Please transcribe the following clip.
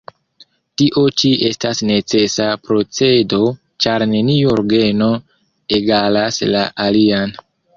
Tio ĉi estas necesa procedo, ĉar neniu orgeno egalas la alian.